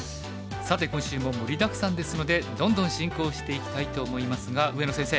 さて今週も盛りだくさんですのでどんどん進行していきたいと思いますが上野先生。